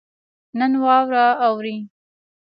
نن واوره اوري